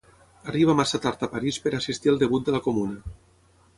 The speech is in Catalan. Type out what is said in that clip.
Arriba massa tard a París per assistir al debut de la Comuna.